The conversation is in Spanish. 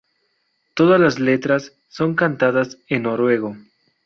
Todas las letras son cantadas en noruego.